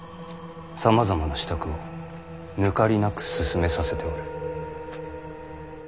さまざまな支度をぬかりなく進めさせておる。